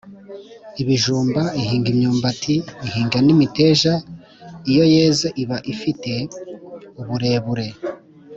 ibijumba, ahinga imyumbati, ahinga n’imiteja, iyo yeze iba ifite uburebure